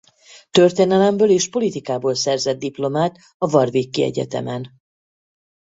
Történelemből és politikából szerzett diplomát a Warwicki Egyetemen.